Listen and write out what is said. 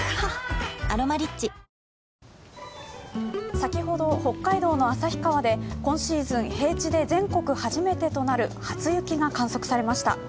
先ほど北海道の旭川で今シーズン平地で全国初めてとなる初雪が観測されました。